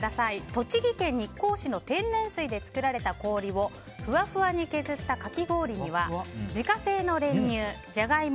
栃木県日光市の天然水で作られた氷をふわふわに削ったかき氷には自家製の練乳ジャガイモ